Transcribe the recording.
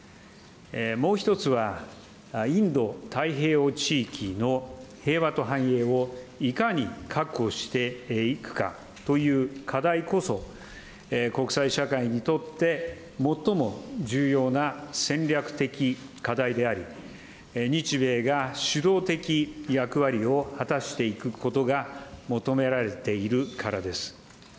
もう１つは、インド太平洋地域の平和と繁栄をいかに確保していくかという課題こそ、国際社会にとって最も重要な戦略的課題であり、日米が主導的役割を果たしていくことが求められているからです。